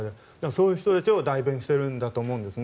そういう人たちを代弁してるんだと思うんです。